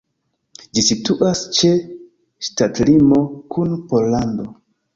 Ĝi situas ĉe ŝtatlimo kun Pollando.